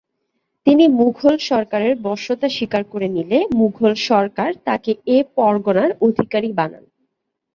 তিনি মুঘল সরকারের বশ্যতা স্বীকার করে নিলে মুঘল সরকার তাকে এ পরগণার অধিকারী বানান।